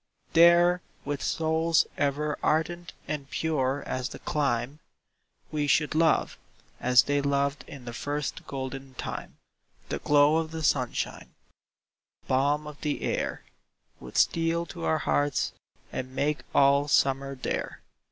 There, with souls ever ardent and pure as the clime, We should love, as they loved in the first golden time; The glow of the sunshine, the balm of the air, Would steal to our hearts, and make all summer there.